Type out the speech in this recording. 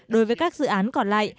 đối với các dự án còn lại